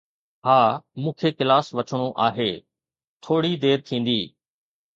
ها، مون کي ڪلاس وٺڻو آهي. ٿوري دير ٿيندي.